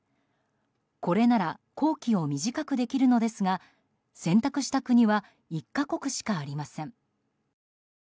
これなら工期を短くできるのですが選択した国は１か国しかありません。